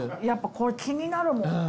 やっぱこれ気になるもん。